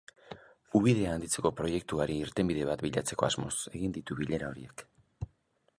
Ubidea handitzeko proiektuari irtenbide bat bilatzeko asmoz egin ditu bilera horiek.